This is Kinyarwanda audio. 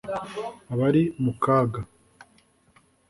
abari mu kaga,